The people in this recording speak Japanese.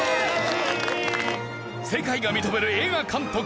世界が認める映画監督